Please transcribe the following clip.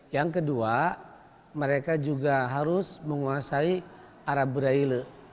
yang kedua mereka juga harus menguasai arab braille